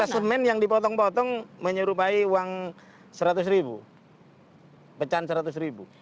semen yang dipotong potong menyerupai uang seratus ribu pecahan seratus ribu